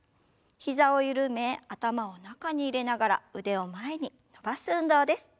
膝を緩め頭を中に入れながら腕を前に伸ばす運動です。